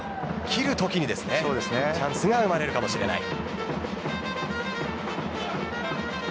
切るときにチャンスが生まれるかもしれません。